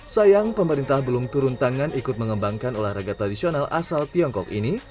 sayang pemerintah belum turun tangan ikut mengembangkan olahraga tradisional asal tiongkok ini